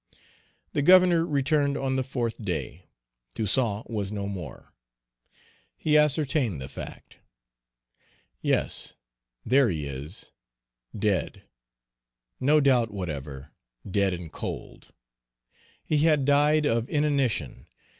The Governor returned on the fourth day. Toussaint was no more. He ascertained the fact. Yes, there he is, dead; no doubt whatever, dead and cold. He had died of inanition.